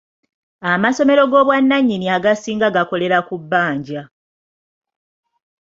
Amasomero g'obwannanyini agasinga gakolera ku bbanja.